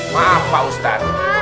maaf pak ustadz